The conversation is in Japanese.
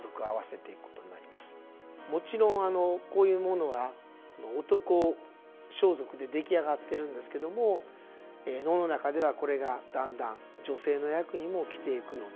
もちろんこういうものは男装束で出来上がってるんですけども能の中ではこれがだんだん女性の役にも着ていくようになってくる。